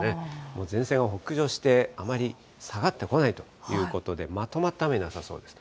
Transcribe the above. もう前線が北上して、あまり下がってこないということで、まとまった雨、なさそうです。